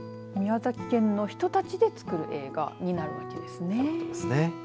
宮崎県の人たちで作る映画になるわけですね。